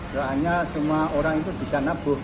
soalnya semua orang itu bisa nabuh